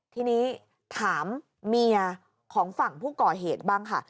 ทีนี้ถามเมียของฝั่งผู้ก่อเหตุบ้างค่ะ